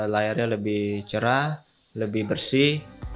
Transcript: layarnya lebih cerah lebih bersih